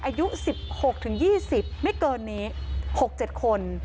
อายุสิบหกถึงยี่สิบไม่เกินนี้หกเจ็ดคน